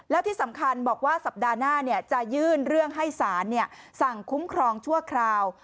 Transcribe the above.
แล้วที่สำคัญบอกว่าสัปดาห์หน้าจะยื่นเรื่องให้สารสั่งคุ้มครองชั่วคราว